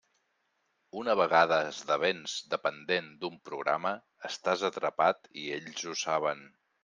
Una vegada esdevens dependent d'un programa, estàs atrapat i ells ho saben.